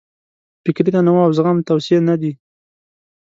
فکري تنوع او زغم توصیې نه دي.